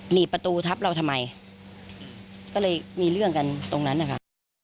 ประตูทับเราทำไมก็เลยมีเรื่องกันตรงนั้นนะคะ